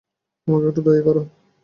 আমাকে একটু দয়া কর।